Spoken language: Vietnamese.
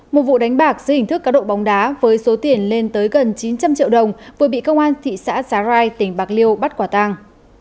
một vụ đánh bạc dưới hình thức cá độ bóng đá với số tiền lên tới gần chín trăm linh triệu đồng vừa bị công an thị xã giá rai tỉnh bạc liêu bắt quả tàng